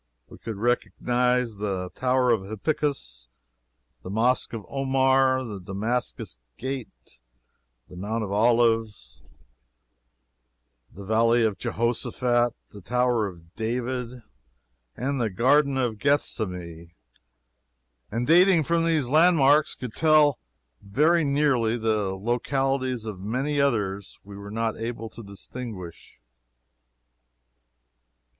We could recognize the Tower of Hippicus, the Mosque of Omar, the Damascus Gate, the Mount of Olives, the Valley of Jehoshaphat, the Tower of David, and the Garden of Gethsemane and dating from these landmarks could tell very nearly the localities of many others we were not able to distinguish.